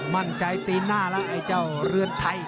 มั่นใจตีหน้าแล้วไอ้เจ้าเรือนไทย